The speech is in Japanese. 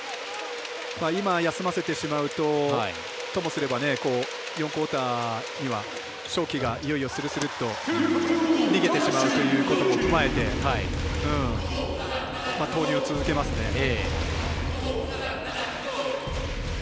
今休ませてしまうとともすれば４クオーターには勝機がいよいよするするっと逃げてしまうということも踏まえて投入を続けますね。